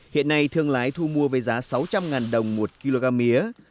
hiện nay thương lái thu mua với giá sáu trăm linh đồng một kg mía